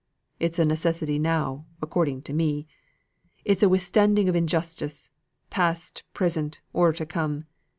It's a necessity now, according to me. It's a withstanding of injustice, past, present, or to come.